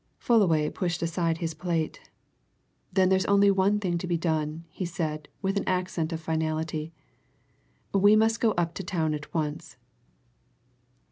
Fullaway pushed aside his plate. "Then there's only one thing to be done," he said, with an accent of finality. "We must go up to town at once."